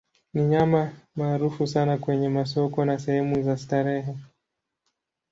Ni nyama maarufu sana kwenye masoko na sehemu za starehe.